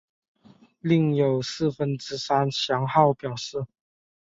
另有四分之三降号表示。